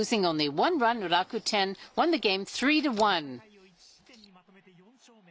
７回を１失点にまとめて４勝目。